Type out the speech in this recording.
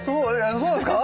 そうなんですか？